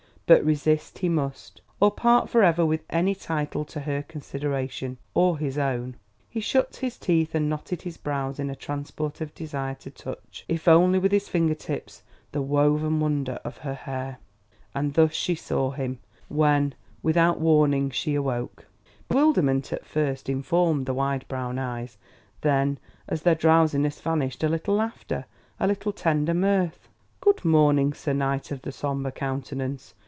But resist he must, or part for ever with any title to her consideration or his own. He shut his teeth and knotted his brows in a transport of desire to touch, if only with his finger tips, the woven wonder of her hair. And thus she saw him, when, without warning, she awoke. Bewilderment at first informed the wide brown eyes; then, as their drowsiness vanished, a little laughter, a little tender mirth. "Good morning, Sir Knight of the Somber Countenance!"